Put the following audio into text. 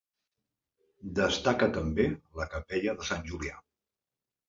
Destaca també la Capella de Sant Julià.